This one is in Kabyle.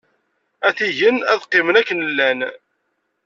Atigen ad qqimen akken llan.